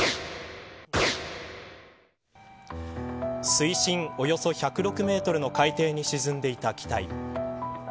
水深およそ１０６メートルの海底に沈んでいた機体。